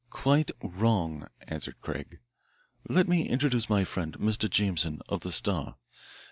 "Quite wrong," answered Craig. "Let me introduce my friend, Mr. Jameson, of the Star.